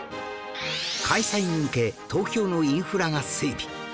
開催に向け東京のインフラが整備